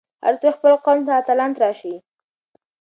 هر څوک خپل قوم ته اتلان تراشي.